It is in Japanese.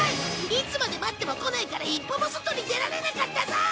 いつまで待っても来ないから一歩も外に出られなかったぞ！